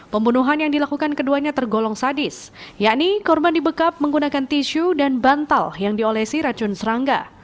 pembunuhan yang dilakukan keduanya tergolong sadis yakni korban dibekap menggunakan tisu dan bantal yang diolesi racun serangga